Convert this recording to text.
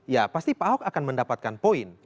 ya pasti pak ahok akan mendapatkan poin